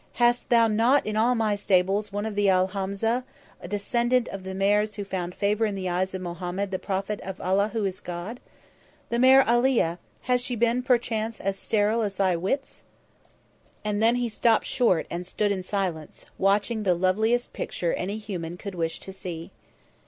Hast thou not in all my stables one of the Al Hamsa, a descendant of the mares who found favour in the eyes of Mohammed the prophet of Allah who is God? The mare Alia has she been, perchance, as sterile as thy wits?" And then he stopped short and stood in silence, watching the loveliest picture any human could wish to see.